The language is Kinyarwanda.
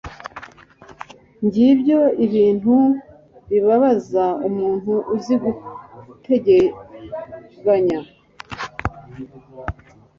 ngibyo ibintu bibabaza umuntu uzi guteganya